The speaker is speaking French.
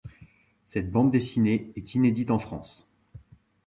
Cette bande dessinée est inédite en France.